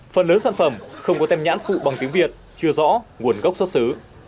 phần lớn sản phẩm không có tem nhãn phụ bằng tiếng việt chưa rõ nguồn gốc xuất xứ